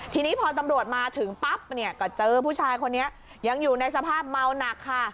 ทีนี้พอตำรวจมาถึงปั๊บเนี่ยก็เจอผู้ชายคนนี้ยังอยู่ในสภาพเมาหนักค่ะ